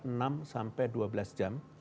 enam sampai dua belas jam